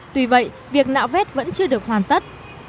tuy vậy việc nạo vét vẫn chưa được hoàn tất